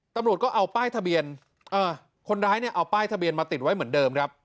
ตำรวจก็เอาป้ายทะเบียนคนร้ายเนี่ยเอาป้ายทะเบียนมาติดไว้เหมือนเดิมครับ